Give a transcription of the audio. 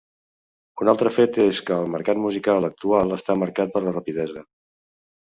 Un altre fet és que el mercat musical actual està marcat per la rapidesa.